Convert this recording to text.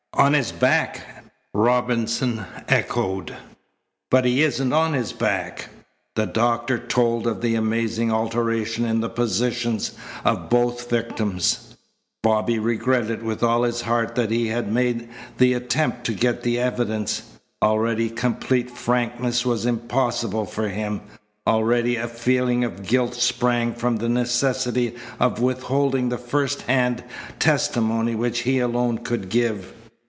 "On his back!" Robinson echoed. "But he isn't on his back." The doctor told of the amazing alteration in the positions of both victims. Bobby regretted with all his heart that he had made the attempt to get the evidence. Already complete frankness was impossible for him. Already a feeling of guilt sprang from the necessity of withholding the first hand testimony which he alone could give.